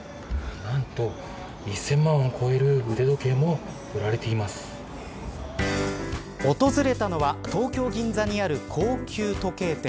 何と１０００万を超える腕時計も訪れたのは東京、銀座にある高級時計。